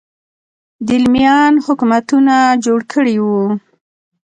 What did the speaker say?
دیلمیان حکومتونه جوړ کړي وو